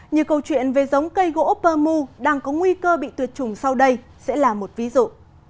như câu chuyện về giống cây gỗ pơ mu đang có nguy cơ bị tuyệt chủng sau đây sẽ là một ví dụ